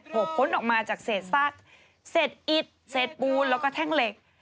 กพ้นออกมาจากเศษซากเศษอิดเศษปูนแล้วก็แท่งเหล็ก